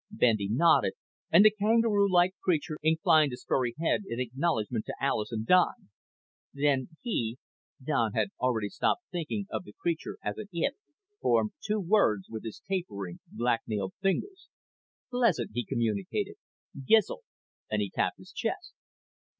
Bendy nodded and the kangaroo like creature inclined his furry head in acknowledgment to Alis and Don. Then he Don had already stopped thinking of the creature as an "it" formed two words with his tapering, black nailed fingers. PLEASANT, he communicated. "GIZL." And he tapped his chest.